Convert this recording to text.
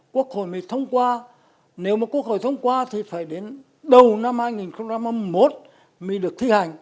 quốc hội mới thông qua nếu mà quốc hội thông qua thì phải đến đầu năm hai nghìn hai mươi một mới được thi hành